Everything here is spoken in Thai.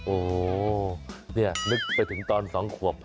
โอ้โหนี่นึกไปถึงตอน๒ขวบ